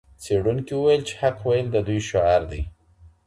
څېړونکي وویل چې حق ویل د دوی شعار دی.